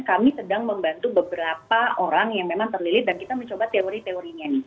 kami sedang membantu beberapa orang yang memang terlilit dan kita mencoba teori teorinya nih